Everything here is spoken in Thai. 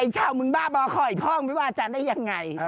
ปล่อยท่องไม่ว่าอาจารย์ได้ยังไง